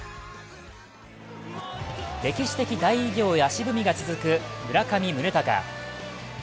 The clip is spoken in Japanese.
歴史的大偉業へ足踏みが続く村上宗隆。